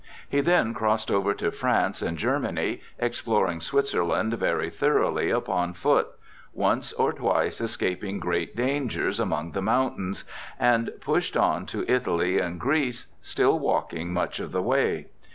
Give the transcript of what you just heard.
He then crossed over to France and Germany, exploring Switzerland very thoroughly upon foot, once or twice escaping great dangers among the mountains, and pushed on to Italy and Greece, still walking much of the way.